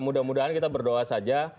mudah mudahan kita berdoa saja